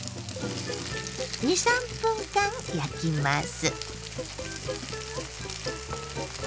２３分間焼きます。